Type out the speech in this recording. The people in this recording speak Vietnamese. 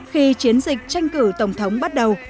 khi chiến dịch tranh cử tổng thống bắt đầu